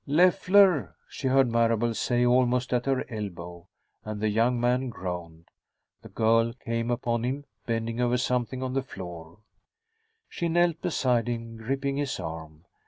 "Leffler!" she heard Marable say, almost at her elbow, and the young man groaned. The girl came upon him, bending over something on the floor. She knelt beside him, gripping his arm.